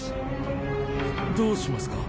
どうしますか？